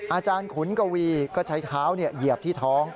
อาจารย์ขุนกวีศรีก็ใช้เท้าเหยียบที่ท้อง